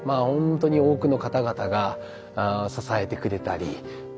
ほんとに多くの方々が支えてくれたり。